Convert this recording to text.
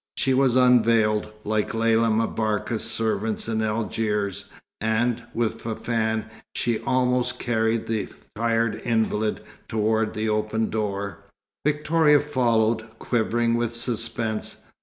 She was unveiled, like Lella M'Barka's servants in Algiers, and, with Fafann, she almost carried the tired invalid towards the open door. Victoria followed, quivering with suspense.